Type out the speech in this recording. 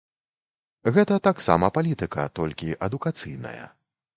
Гэта таксама палітыка, толькі адукацыйная.